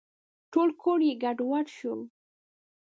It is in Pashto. ټول کور یې ګډوډ شو .